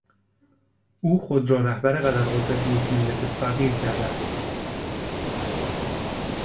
او خود را رهبر قدر قدرت یک ملت فقیر کرده است.